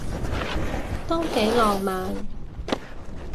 都幾浪漫